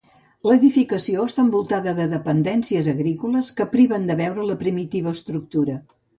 L'edificació està envoltada de dependències agrícoles que priven de veure la primitiva estructura.